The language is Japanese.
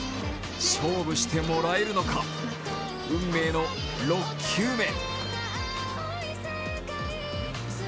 勝負してもらえるのか、運命の６球目。